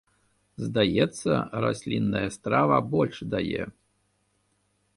Здаецца, раслінная страва больш дае.